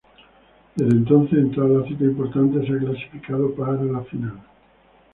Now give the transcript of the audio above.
Desde entonces en todas las citas importantes se ha clasificado para la final.